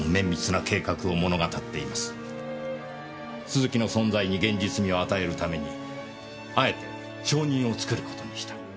鈴木の存在に現実味を与えるためにあえて証人を作る事にした。